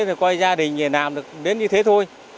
thì coi gia đình làm được đến như thế thôi